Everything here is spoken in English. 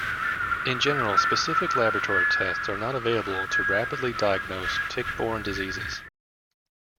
In general, specific laboratory tests are not available to rapidly diagnose tick-borne diseases.